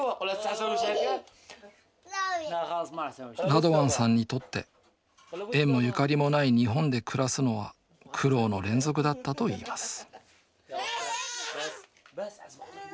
ラドワンさんにとって縁もゆかりもない日本で暮らすのは苦労の連続だったといいます